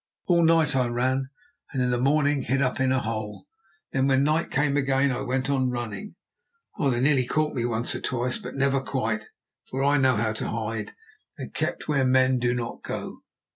All night I ran, and in the morning hid up in a hole. Then when night came again I went on running. Oh! they nearly caught me once or twice, but never quite, for I know how to hide, and I kept where men do not go.